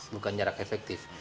bukan jarak efektif